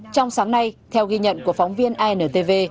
trong sáng nay theo ghi nhận của phóng viên intv